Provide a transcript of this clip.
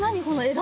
枝？